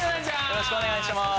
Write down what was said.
よろしくお願いします。